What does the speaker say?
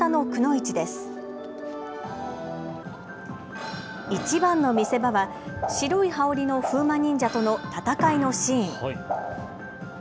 いちばんの見せ場は、白い羽織りの風魔忍者との戦いのシーン。